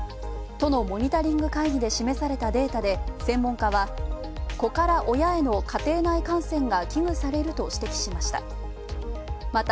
都のモニタリング会議で示されたデータで専門家は子から親への家庭内感染が危惧されると指摘しました。